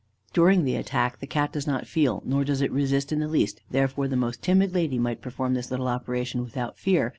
During the attack, the Cat does not feel, nor does it resist in the least, therefore the most timid lady might perform this little operation without fear.